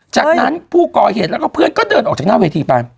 จากนั้นผู้ก่อเหตุแล้วก็เพื่อนก็เดินออกจากหน้าเวทีไป